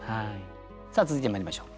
続いてまいりましょう。